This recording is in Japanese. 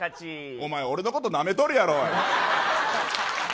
お前、俺のことなめとるやろう。